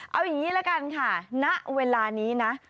เอาอย่างนี้ละกันค่ะณเวลานี้นะ